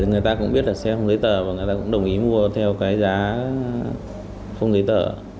người ta cũng biết là xem giấy tờ và người ta cũng đồng ý mua theo cái giá không giấy tờ